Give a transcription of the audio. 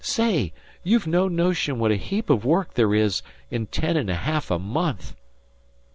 Say, you've no notion what a heap of work there is in ten and a half a month!"